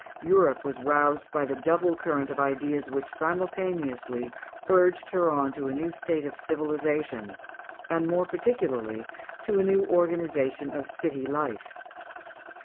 Europe was roused by the double current of ideas which simultaneously urged her on to a new state of civilisation, and more particularly to a new organization of city life.